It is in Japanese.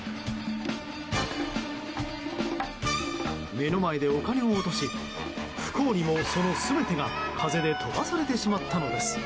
目の前でお金を落とし不幸にもその全てが風で飛ばされてしまったのです。